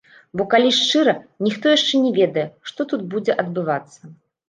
Бо калі шчыра, ніхто яшчэ не ведае, што тут будзе адбывацца.